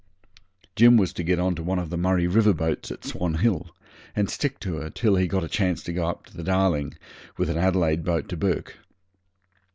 Jim was to get on to one of the Murray River boats at Swan Hill, and stick to her till he got a chance to go up the Darling with an Adelaide boat to Bourke.